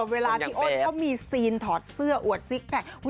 เวลาพี่อ้นเขามีซีนถอดเสื้ออวดซิกแพค